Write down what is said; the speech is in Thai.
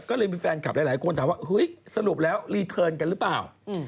ก็เลยมีแฟนคลับหลายคนถามว่าเฮ้ยสรุปแล้วรีเทิร์นกันหรือเปล่า